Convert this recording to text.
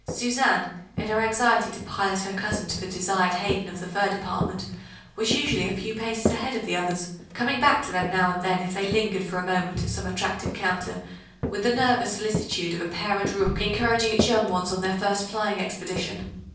Suzanne, in her anxiety to pilot her cousin to the desired haven of the fur department, was usually a few paces ahead of the others, coming back to them now and then if they lingered for a moment at some attractive counter, with the nervous solicitude of a parent rook encouraging its young ones on their first flying expedition.